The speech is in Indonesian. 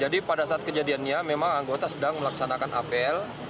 jadi pada saat kejadiannya memang anggota sedang melaksanakan apl